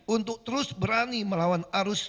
untuk terus berani melawan arus